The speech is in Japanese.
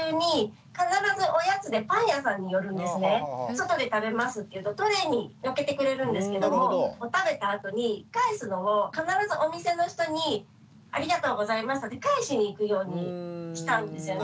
外で食べますって言うとトレーにのっけてくれるんですけども食べたあとに返すのを必ずお店の人に「ありがとうございました」って返しに行くようにしたんですよね。